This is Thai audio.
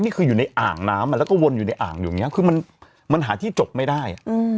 อยู่ในอ่างน้ำแล้วก็วนอยู่ในอ่างอยู่อย่างนี้คือมันหาที่จบไม่ได้